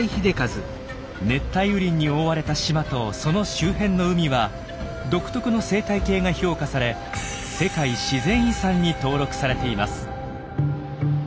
熱帯雨林に覆われた島とその周辺の海は独特の生態系が評価され世界自然遺産に登録されています。